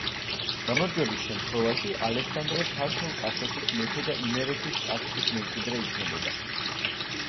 გამარჯვების შემთხვევაში ალექსანდრე ქართლ-კახეთის მეფე და იმერეთის ტახტის მემკვიდრე იქნებოდა.